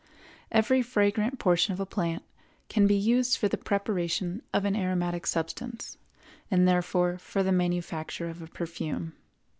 Every fragrant portion of a plant can be used for the preparation of an aromatic substance, and therefore for the manufacture of a perfume.